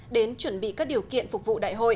đến chuẩn bị các điều kiện phục vụ